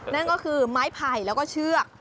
นั่นก็คือไม้ไผ่แล้วก็เชือก